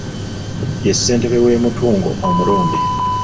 Ye ssentebe w’e Mutungo omulonde.